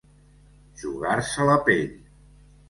Jugar-se la pell.